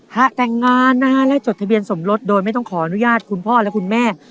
แต่งงานนะฮะและจดทะเบียนสมรสโดยไม่ต้องขออนุญาตคุณพ่อและคุณแม่